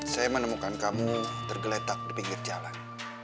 saya menemukan kamu tergeletak di pinggir jalan